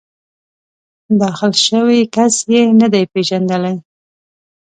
داخل شوی کس یې نه دی پېژندلی.